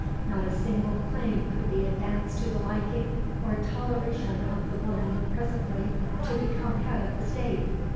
Not a single claim could be advanced to the liking or toleration of the woman presently to become head of the State.